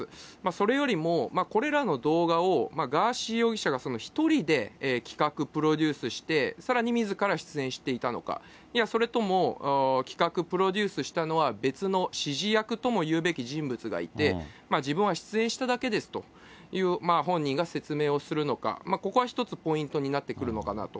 それよりも、これらの動画をガーシー容疑者が１人で企画、プロデュースして、さらにみずから出演していたのか、いや、それとも企画、プロデュースしたのは別の指示役ともいうべき人物がいて、自分は出演しただけですという、本人が説明をするのか、ここは一つ、ポイントになってくるのかなと。